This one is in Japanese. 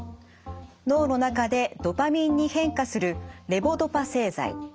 脳の中でドパミンに変化するレボドパ製剤。